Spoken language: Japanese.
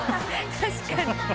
確かに。